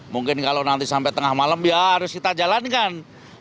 mungkin kalau nanti sampai tengah malam ya harus kita jalankan